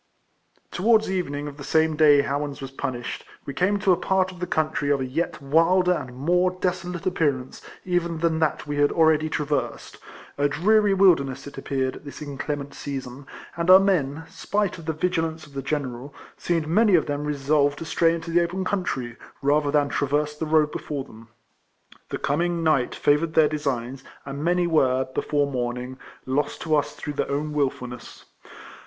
Towards evening, of the same day Howans was punished, we came to a part of the country of a yet wilder and more desolate appearance even than that we had already traversed; a dreary wilderness it appeared at this inclement season : and our men, spite of the vigilance of the General, seemed many of them resolved to stray into the open country, rather than traverse the road before them. The coming night fa 210 RECOLLECTIONS OF voured their designs, and many were, before morning, lost to us through their own wil fuhicss.